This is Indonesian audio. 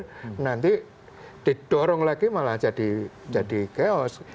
kalau perbu sudah berunder nanti didorong lagi malah jadi chaos